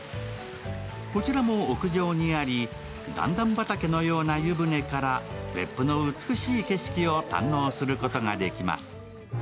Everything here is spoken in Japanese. こちらも屋上にあり、段々畑のような湯船から別府の美しい景色を堪能することができます。